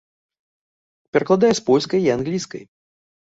Перакладае з польскай і англійскай.